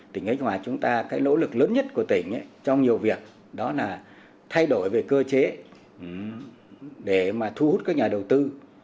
tỉnh khánh hòa chúng ta cái nỗ lực lớn nhất của tỉnh trong nhiều việc đó là thay đổi về cơ chế để mà thu hút các nhà đầu tư